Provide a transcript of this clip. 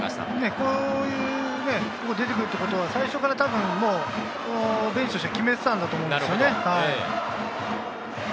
こういうのも出てくるということは最初からベンチとしては決めていたんだと思います。